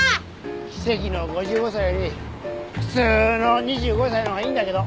奇跡の５５歳より普通の２５歳の方がいいんだけど。